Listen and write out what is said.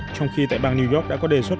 trong khi tại bang new york đã có đề xuất